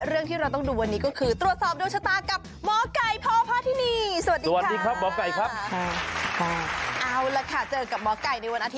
แล้วเรื่องที่เราต้องดูวันนี้ก็คือตรวจสอบทรัพย์ดวกชะตากับหมอไก่พอพตินี